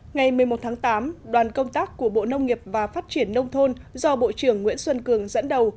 ngày một mươi một tháng tám đoàn công tác của bộ nông nghiệp và phát triển nông thôn do bộ trưởng nguyễn xuân cường dẫn đầu